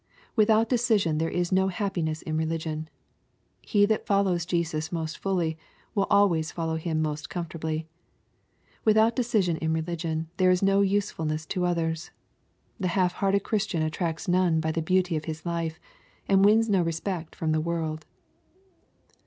Without decision there is no happiness in religion. He that follows Jesus most fully, will always follow Him most comfortably. — Without decision in religion, there is no usefulness to others. The half hearted Christian attracts none by the beauty of his life, and wins no respect from the world.